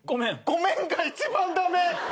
ごめんが一番駄目！